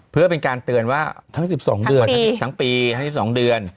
เพื่อเป็นการเตือนว่าทั้ง๑๒เดือนทั้งปีทั้ง๑๒เดือน